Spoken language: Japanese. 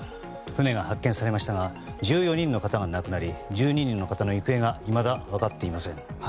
船が発見されましたが１４人の方が亡くなり１２人の方の行方がいまだ分かっていません。